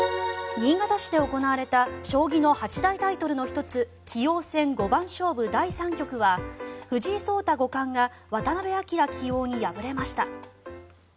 新潟市で行われた将棋の八大タイトルの１つ棋王戦五番勝負、第３局は藤井聡太五冠が渡辺明棋王に敗れました。